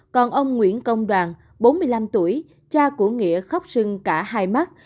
còn ông nguyễn công đoàn bốn mươi năm tuổi cha của nghĩa khóc sưng cả hai mắt